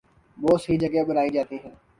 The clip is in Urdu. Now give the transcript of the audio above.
بہت سی جگہیں بنائی جاتی